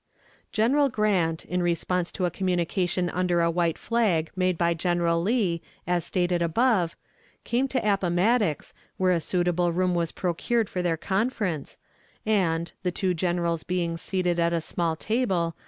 General Grant, in response to a communication under a white flag made by General Lee, as stated above, came to Appomattox, where a suitable room was procured for their conference, and, the two Generals being seated at a small table.